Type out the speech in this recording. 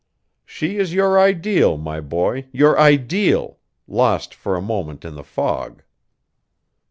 She is your ideal, my boy, your ideal, lost for a moment in the fog."